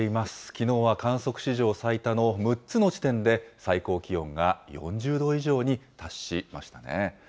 きのうは観測史上最多の６つの地点で、最高気温が４０度以上に達しましたね。